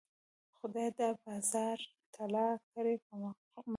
خدایه دا بازار تالا کړې په مغلو.